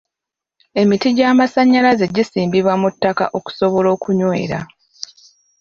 Emiti gy'amasannyalaze gisimbibwa mu ttaka okusobola okunywera.